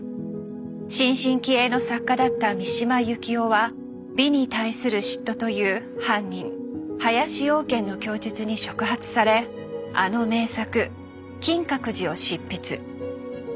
新進気鋭の作家だった三島由紀夫は「美に対する嫉妬」という犯人・林養賢の供述に触発されあの名作「金閣寺」を執筆。